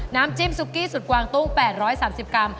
น้ำจิ้มซุกกี้สุดกวางตุ้ง๘๓๐กรัม